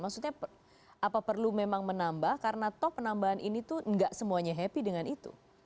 maksudnya apa perlu memang menambah karena top penambahan ini tuh gak semuanya happy dengan itu